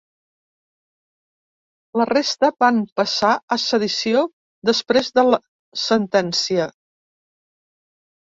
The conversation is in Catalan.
La resta van passar a sedició després de la sentència.